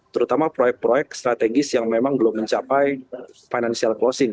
terutama proyek proyek strategis yang memang belum mencapai financial closing